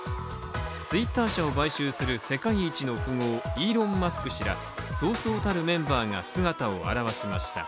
Ｔｗｉｔｔｅｒ社を買収する世界一の富豪イーロン・マスク氏らそうそうたるメンバーが姿を現しました。